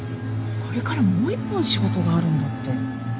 これからもう一本仕事があるんだって。